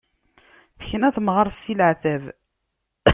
Tekna temɣart si leɛtab.